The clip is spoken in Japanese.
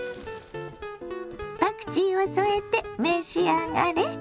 パクチーを添えて召し上がれ。